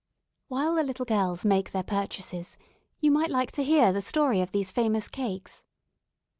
While the little girls make their purchases you might like to hear the story of these famous cakes.